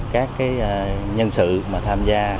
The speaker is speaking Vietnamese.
các nhân sự tham gia